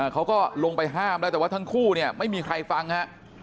เขาก็ลงไปห้ามแล้วแต่ว่าทั้งคู่เนี่ยไม่มีใครฟังฮะ